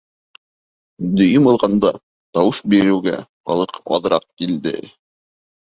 Дөйөм алғанда, тауыш биреүгә халыҡ аҙыраҡ килде.